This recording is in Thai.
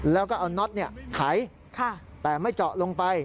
แล้วก็เอาน็อตไขแต่ไม่เจาะลงไป